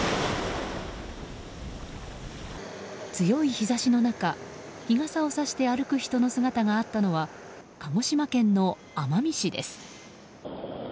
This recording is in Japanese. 強い日差しの中、日傘をさして歩く人の姿があったのは鹿児島県の奄美市です。